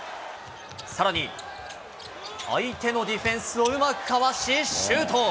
さらに、相手のディフェンスをうまくかわしシュート。